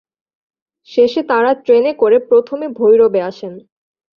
শেষে তাঁরা ট্রেনে করে প্রথমে ভৈরবে আসেন।